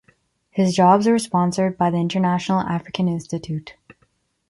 His jobs were sponsored by the International African Institute.